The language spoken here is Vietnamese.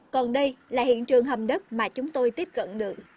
còn đây là hiện trường hầm đất mà chúng tôi tiếp cận được